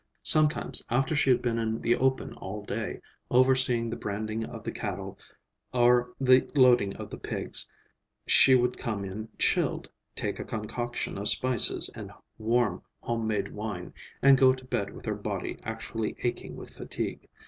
Sometimes, after she had been in the open all day, overseeing the branding of the cattle or the loading of the pigs, she would come in chilled, take a concoction of spices and warm home made wine, and go to bed with her body actually aching with fatigue.